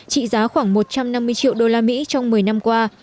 trị giá khoảng một trăm năm mươi triệu đô la mỹ trong một mươi năm qua